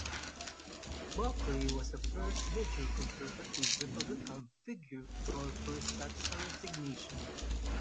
Buckley was the first major conservative Republican figure to call for such a resignation.